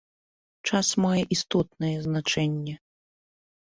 Час мае істотнае значэнне.